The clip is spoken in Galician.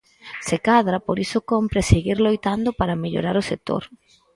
Se cadra por iso cómpre "seguir loitando para mellorar o sector".